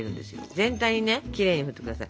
全体にねきれいに振って下さい。